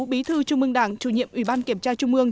bí thư trung ương đảng chủ nhiệm ủy ban kiểm tra trung ương